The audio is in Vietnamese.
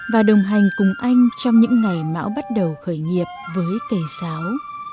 và đồng hành cùng anh trong những ngày mã bắt đầu khởi nghiệp với cây sáo